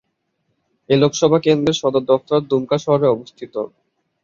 এই লোকসভা কেন্দ্রের সদর দফতর দুমকা শহরে অবস্থিত।